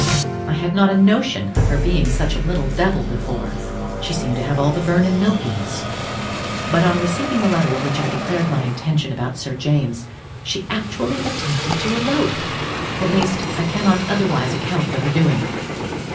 I had not a notion of her being such a little devil before, she seemed to have all the Vernon milkiness; but on receiving the letter in which I declared my intention about Sir James, she actually attempted to elope; at least, I cannot otherwise account for her doing it.